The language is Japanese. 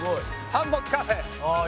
ハンモックカフェ。